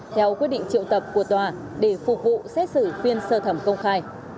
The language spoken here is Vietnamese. theo quyết định triệu tập của tòa để phục vụ xét xử phiên sơ thẩm công khai